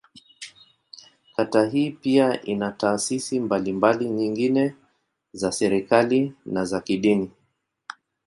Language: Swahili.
Kata hii pia ina taasisi mbalimbali nyingine za serikali, na za kidini.